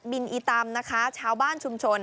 อีตำนะคะชาวบ้านชุมชน